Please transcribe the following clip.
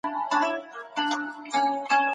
دوی د هغې تر کورنۍ د هغې ډير ځانونه حقدار ګڼل.